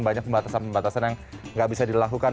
banyak pembatasan pembatasan yang nggak bisa dilakukan